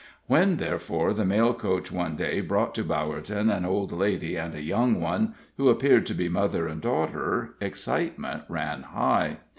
When, therefore, the mail coach one day brought to Bowerton an old lady and a young one, who appeared to be mother and daughter, excitement ran high.